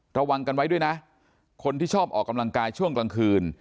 ระวังกันไว้ด้วยนะคนที่ชอบออกกำลังกายช่วงกลางคืน